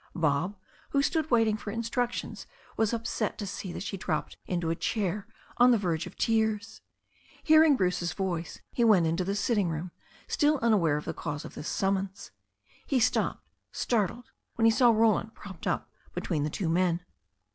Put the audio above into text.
Bob, who stood waiting for instructions, was upset to see that she dropped into a chair on the verge of tears. Hearing Bruce's voice, he went into the sitting room, still unaware of the cause of this sum mons. He stopped, startled, when he saw Roland propped up between the two men.